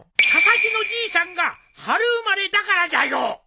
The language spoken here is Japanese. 佐々木のじいさんが春生まれだからじゃよ！